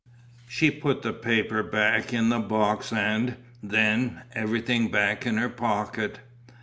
She put the paper back in the box and, then, everything back in her pocket.